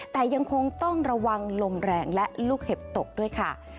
แต่ยังคงต้องระวังลมแรงและลูกเห็บตกด้วยค่ะ